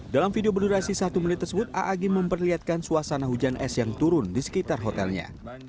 dalam video berdurasi satu menit tersebut ⁇ aagi ⁇ memperlihatkan suasana hujan es yang turun di sekitar hotelnya